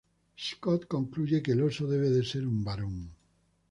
Scott concluye que el oso debe ser un varón.